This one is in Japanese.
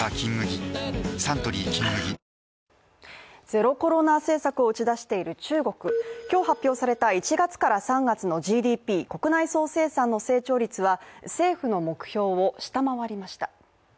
ゼロコロナ政策を打ち出している中国、今日発表された１−３月のＧＤＰ＝国内総生産は成長率は政府の目標を下回りました。